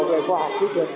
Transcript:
khoa học kỹ thuật